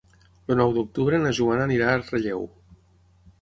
El nou d'octubre na Joana anirà a Relleu.